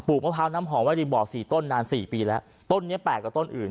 มะพร้าวน้ำหอมไว้ในบ่อสี่ต้นนานสี่ปีแล้วต้นนี้แปลกกว่าต้นอื่น